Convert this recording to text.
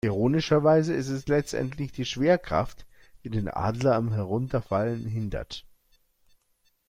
Ironischerweise ist es letztendlich die Schwerkraft, die den Adler am Herunterfallen hindert.